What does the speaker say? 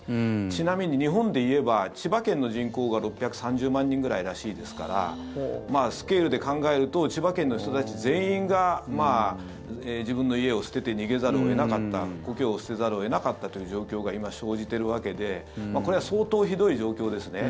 ちなみに日本でいえば千葉県の人口が６３０万人ぐらいらしいですからスケールで考えると千葉県の人たち全員が自分の家を捨てて逃げざるを得なかった故郷を捨てざるを得なかったという状況が今、生じているわけでこれは相当ひどい状況ですね。